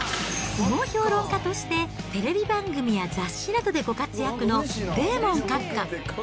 相撲評論家としてテレビ番組や雑誌などでご活躍のデーモン閣下。